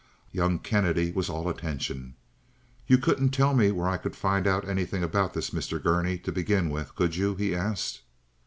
Young Kennedy was all attention. "You couldn't tell me where I could find out anything about this Mr. Gurney to begin with, could you?" he asked.